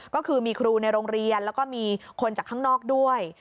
ก็คือมีครูในโรงเรียนแล้วก็มีคนจากข้างนอกด้วย